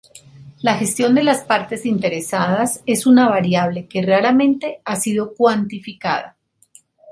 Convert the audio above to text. La gestión de las partes interesadas es una variable que raramente ha sido cuantificada.